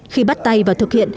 khi bắt tay và thực hiện